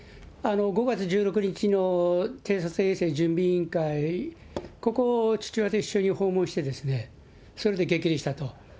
５月１６日の偵察衛星準備委員会、ここ、父親と一緒に訪問して、それで激励したと。